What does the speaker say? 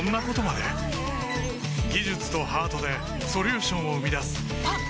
技術とハートでソリューションを生み出すあっ！